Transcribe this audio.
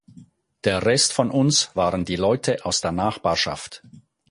Der Rest von uns waren die Leute aus der Nachbarschaft.